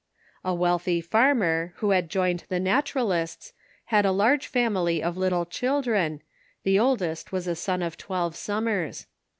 A wealthy farmer, who had joined the Naturalists, had a large family of little children, the oldest was a son of twelve summers.